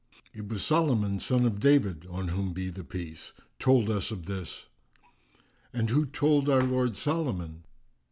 "It was Solomon son of David (on whom be the Peace!), told us of this!" "And who told our lord Solomon?"